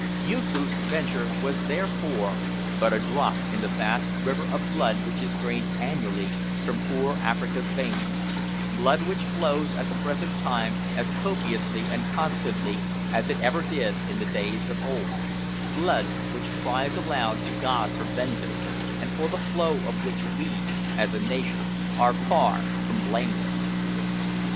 Yoosoof's venture was therefore but a drop in the vast river of blood which is drained annually from poor Africa's veins blood which flows at the present time as copiously and constantly as it ever did in the days of old blood which cries aloud to God for vengeance, and for the flow of which we, as a nation, are far from blameless.